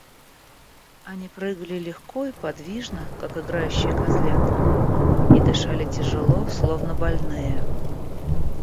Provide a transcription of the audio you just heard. Они прыгали легко и подвижно, как играющие козлята, и дышали тяжело, словно больные.